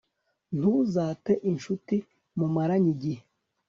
ntuzate incuti mumaranye igihe